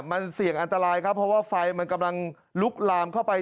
มันเสี่ยงอันตรายครับเพราะว่าไฟมันกำลังลุกลามเข้าไป